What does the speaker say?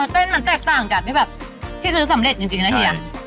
เส้นมันแตกต่างจากที่แบบที่ซื้อสำเร็จจริงนะเฮีย